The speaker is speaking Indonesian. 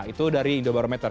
itu dari indomarometer